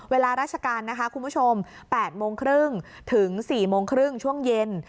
เวลาราชการนะคะคุณผู้ชม๘โมงครึ่งถึง๔โมงครึ่งช่วงเย็น